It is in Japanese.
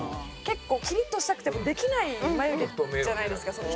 結構キリッとしたくてもできない眉毛じゃないですか